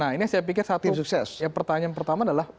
nah ini yang saya pikir satu pertanyaan pertama adalah